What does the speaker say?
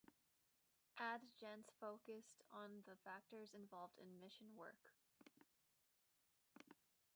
"Ad gentes" focused on the factors involved in mission work.